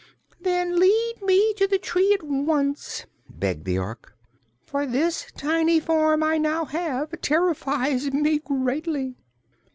"Then lead me to the tree at once!" begged the Ork, "for this tiny form I now have terrifies me greatly."